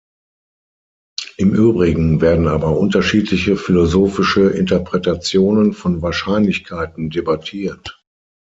Im Übrigen werden aber unterschiedliche philosophische Interpretationen von Wahrscheinlichkeiten debattiert.